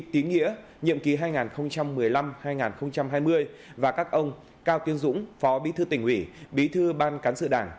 tí nghĩa nhiệm kỳ hai nghìn một mươi năm hai nghìn hai mươi và các ông cao tuyên dũng phó bí thư tỉnh ủy bí thư ban cán sự đảng